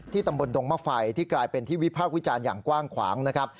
ตำบลดงมะไฟที่กลายเป็นที่วิพากษ์วิจารณ์อย่างกว้างขวางนะครับ